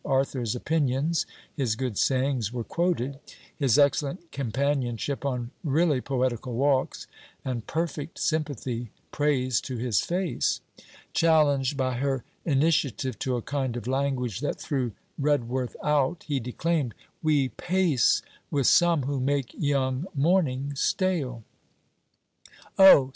Arthur's opinions, his good sayings, were quoted; his excellent companionship on really poetical walks, and perfect sympathy, praised to his face. Challenged by her initiative to a kind of language that threw Redworth out, he declaimed: 'We pace with some who make young morning stale.' 'Oh!